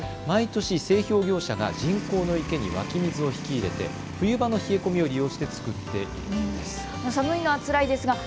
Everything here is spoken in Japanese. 毎年、製氷業者が人工の池に湧き水を引き入れて冬場の冷え込みを利用して作っているんです。